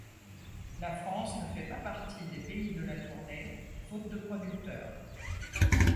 La France ne fait pas partie des pays de la tournée, faute de producteurs.